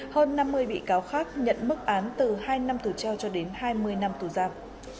hơn năm mươi bị cáo khác nhận mức án từ hai năm tù treo cho đến hai mươi năm tù giam